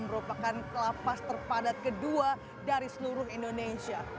merupakan lapas terpadat kedua dari seluruh indonesia